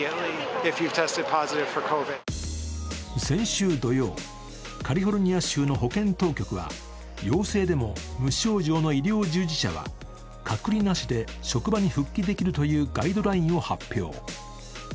先週土曜、カリフォルニア州の保健当局は陽性でも無症状の医療従事者は隔離なしで職場に復帰できるというガイドラインを発表。